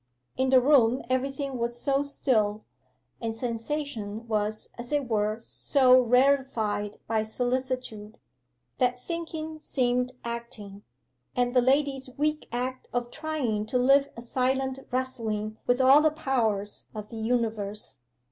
In the room everything was so still, and sensation was as it were so rarefied by solicitude, that thinking seemed acting, and the lady's weak act of trying to live a silent wrestling with all the powers of the universe.